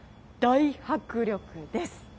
大迫力です。